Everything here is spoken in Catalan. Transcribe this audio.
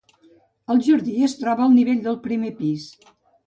El jardí es troba al nivell del primer pis.